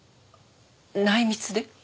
内密で？